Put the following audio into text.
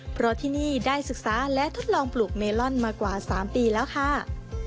เพราะที่นี่ได้ศึกษาและทดลองปลูกเมลอนมากว่า๓ปีแล้วค่ะ